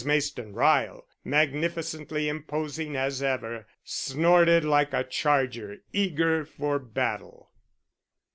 Mayston Ryle, magnificently imposing as ever, snorted like a charger eager for battle.